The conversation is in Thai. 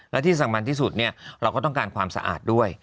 และที่สำคัญที่สุดเราก็ต้องการความสะอาดด้วย